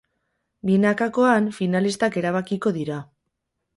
Binakakoan, finalistak erabakiko dira.